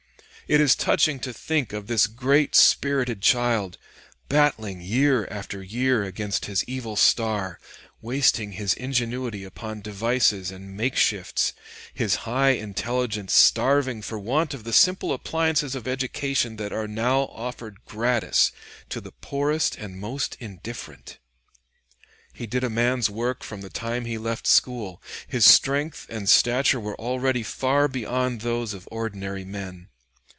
It is touching to think of this great spirited child, battling year after year against his evil star, wasting his ingenuity upon devices and makeshifts, his high intelligence starving for want of the simple appliances of education that are now offered gratis to the poorest and most indifferent. He did a man's work from the time he left school; his strength and stature were already far beyond those of ordinary men.